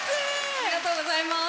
ありがとうございます。